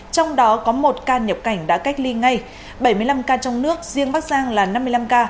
trong đó có một ca nhập cảnh đã cách ly ngay bảy mươi năm ca trong nước riêng bắc giang là năm mươi năm ca